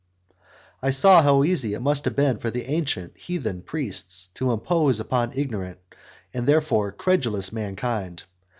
I saw how easy it must have been for the ancient heathen priests to impose upon ignorant, and therefore credulous mankind.